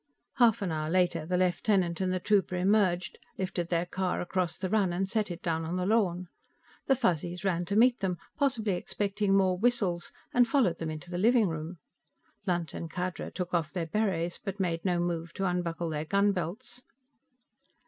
Half an hour later, the lieutenant and the trooper emerged, lifted their car across the run and set it down on the lawn. The Fuzzies ran to meet them, possibly expecting more whistles, and followed them into the living room. Lunt and Khadra took off their berets, but made no move to unbuckle their gun belts.